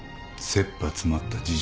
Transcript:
切羽詰まった事情。